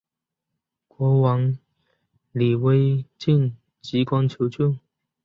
国王黎维祁叩关求救。